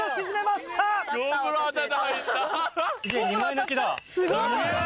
すごい！